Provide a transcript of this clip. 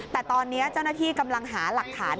แต่ตอนนี้เจ้าหน้าที่กำลังหาหลักฐาน